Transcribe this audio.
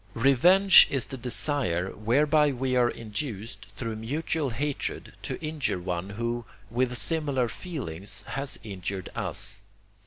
Revenge is the desire whereby we are induced, through mutual hatred, to injure one who, with similar feelings, has injured us.